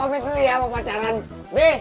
kau pamit nanti mau pacaran ya be